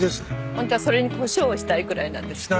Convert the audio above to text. ホントはそれにこしょうをしたいくらいなんです。